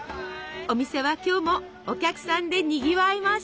お店は今日もお客さんでにぎわいます。